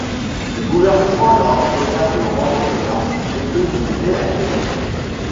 Le gouvernement leur ordonna de rendre les armes et d'émigrer à Québec.